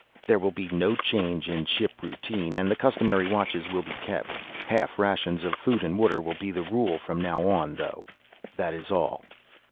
"There will be no change in ship routine, and the customary watches will be kept. Half rations of food and water will be the rule from now on, though. That is all."